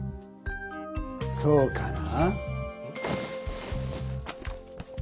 そうかな？